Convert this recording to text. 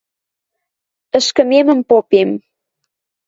Ӹшкӹмемӹм попем.